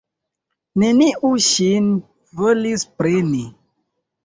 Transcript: Neniu ŝin volis preni.